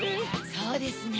そうですね。